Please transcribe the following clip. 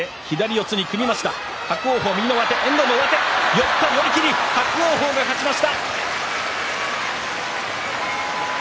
寄った、寄り切り伯桜鵬が勝ちました。